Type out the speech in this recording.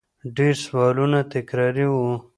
ډېر سوالونه تکراري وو